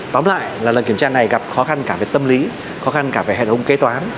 tóm lại là lần kiểm tra này gặp khó khăn cả về tâm lý khó khăn cả về hệ thống kế toán